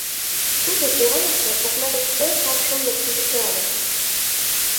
Тудо, куаныше, окна гыч пел капшым луктын кычкырале: